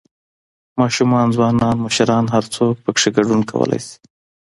، ماشومان، ځوانان، مشران هر څوک پکې ګډون کولى شي